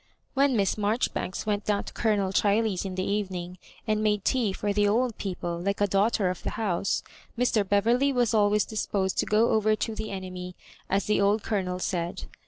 When Miss Marjoribanks went down to Colonel Cbiley's in the evening, and made tea for the old people like a daughter of the house, Mr. Beverley was always disposed to go over to the enemy, as the old Colonel 'said.